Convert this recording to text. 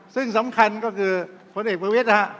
ซึ่งสำคัญก็คือผลเอกประวิทย์นะฮะ